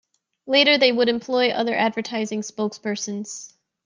Later, they would employ other advertising spokespersons.